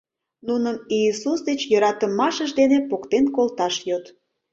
нуным Иисус деч йӧратымашыж дене поктен колташ йод.